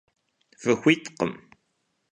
Фыхуиткъым!